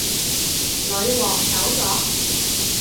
女皇走咗